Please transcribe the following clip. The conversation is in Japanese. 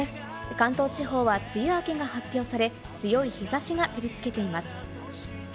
関東地方は梅雨明けが発表され、強い日差しが照り付けています。